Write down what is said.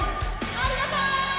ありがとう！